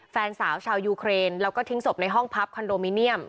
แฟนสาวชาวยูเครนแล้วก็ทิ้งศพในห้องพักคอนโดมิเนียม